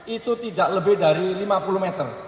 itu tidak lebih dari lima puluh meter